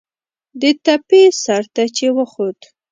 د تپې سر ته چې وخوت.